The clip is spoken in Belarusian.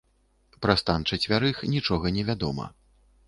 Пра стан чацвярых нічога не вядома.